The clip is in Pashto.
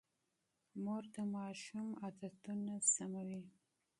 مور د ماشوم تغذيه تنظيموي.